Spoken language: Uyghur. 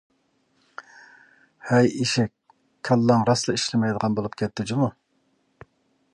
-ھەي ئېشەك، كاللاڭ راسلا ئىشلەيدىغان بولۇپ كەتتى جۇمۇ.